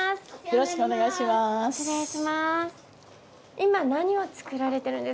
よろしくお願いします。